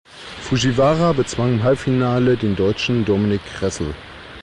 Fujiwara bezwang im Halbfinale den Deutschen Dominic Ressel.